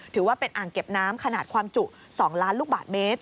ถือว่าเป็นอ่างเก็บน้ำขนาดความจุ๒ล้านลูกบาทเมตร